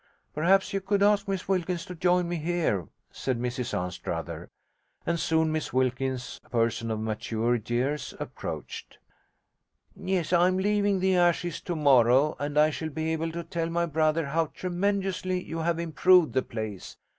'Perhaps you could ask Miss Wilkins to join me here,' said Mrs Anstruther, and soon Miss Wilkins, a person of mature years, approached. 'Yes, I'm leaving the Ashes to morrow, and I shall be able to tell my brother how tremendously you have improved the place.